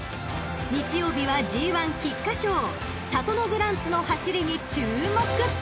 ［日曜日はＧⅠ菊花賞サトノグランツの走りに注目！］